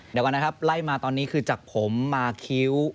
เดี๋ยวก่อนนะครับไล่มาตอนนี้คือจากผมมาคิ้ว